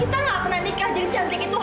ini tolong b aku mau ketemu sama si cantik indi